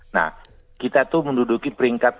nah kita tuh menduduki peringkat